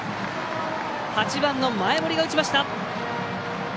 ８番の前盛が打ちました。